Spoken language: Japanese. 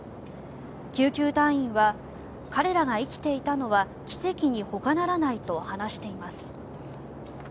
救急隊員は彼らが生きていたのは奇跡にほかならないと話しています。